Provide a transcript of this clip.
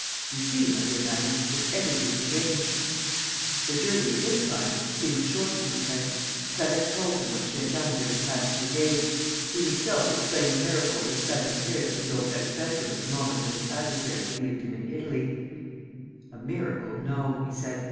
You see, my dear madam, that everything's arranged." The journey, this time, seemed short to Lupin. Clarisse told him what she had done during the past few days. He himself explained the miracle of his sudden appearance in Daubrecq's bedroom at the moment when his adversary believed him in Italy: "A miracle, no," he said.